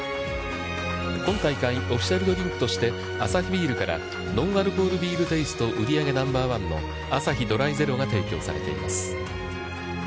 今大会、オフィシャルドリンクとしてアサヒビールから、ノンアルコールビールテイスト売上ＮＯ．１のアサヒドライゼロが提供されています。